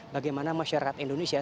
bagaimana masyarakat indonesia